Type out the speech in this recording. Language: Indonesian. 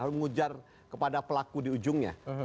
harus mengujar kepada pelaku di ujungnya